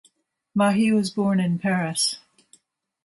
Mahy was borne in Paris.